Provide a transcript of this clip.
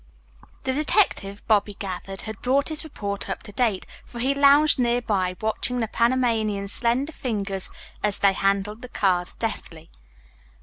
The detective, Bobby gathered, had brought his report up to date, for he lounged near by, watching the Panamanian's slender fingers as they handled the cards deftly.